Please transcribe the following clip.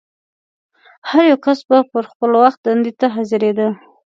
هر یو کس به پر خپل وخت دندې ته حاضرېده.